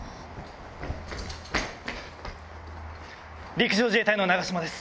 陸上自衛隊の永島です。